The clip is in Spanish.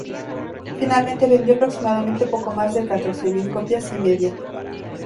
Finalmente vendió aproximadamente poco más de catorce mil copias y media.